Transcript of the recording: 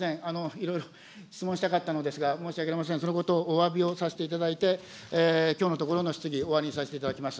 いろいろ質問したかったのですが、そのことをおわびをさせていただいて、きょうのところの質疑、終わりにさせていただきます。